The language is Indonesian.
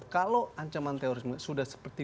kalau ancaman terorisme sudah seperti